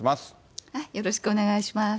よろしくお願いします。